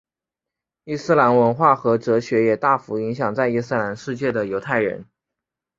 伊斯兰文化和哲学也大幅影响在伊斯兰世界的犹太人。